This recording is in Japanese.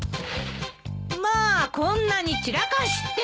まあこんなに散らかして！